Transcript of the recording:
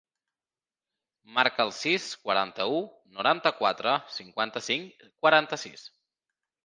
Marca el sis, quaranta-u, noranta-quatre, cinquanta-cinc, quaranta-sis.